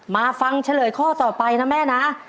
มาฟังเฉลยข้อต่อไปนะแม่นะ